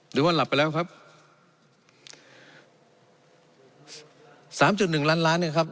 หรือว่าหลับไปแล้วครับสามจุดหนึ่งล้านล้านเนี่ยครับ